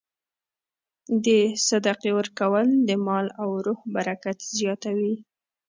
د صدقې ورکول د مال او روح برکت زیاتوي.